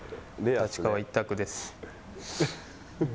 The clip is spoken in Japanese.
立川１択です。